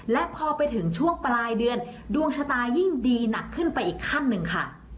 และพอไปถึงช่วงปลายเดือนดวงชะตายิ่งดีหนักขึ้นไปอีกขั้นหนึ่งค่ะ